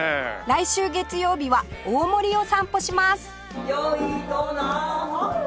来週月曜日は大森を散歩します